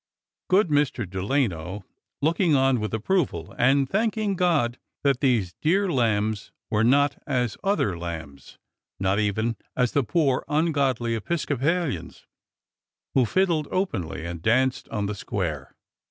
— good Mr. Delano looking on with approval and thanking God that these dear lambs were not as other lambs, nor even as the poor ungodly Episcopalians who fiddled openly and danced on the square.